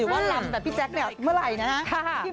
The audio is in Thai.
หรือว่าลำแต่พี่แจกเนี่ยเมื่อไหร่นะฮะ